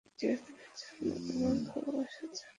চিরদিনের জন্য আমার ভালবাসা জানবে।